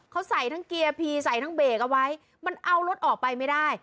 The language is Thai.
เขาใส่ทั้งเกียร์พีใส่ทั้งเบรกเอาไว้มันเอารถออกไปไม่ได้